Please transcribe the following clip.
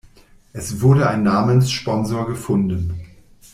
Es wurde ein Namenssponsor gefunden.